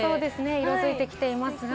色づいてきています。